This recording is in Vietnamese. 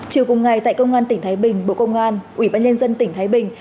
chiều cùng ngày tại công an tỉnh thái bình bộ công an ủy ban nhân dân tỉnh thái bình